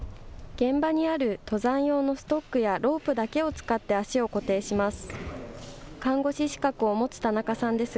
現場にある登山用のストックやロープだけを使って足を固定します。